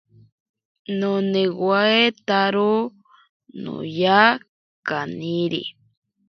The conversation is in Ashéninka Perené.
Nonewetaro noya kaniri.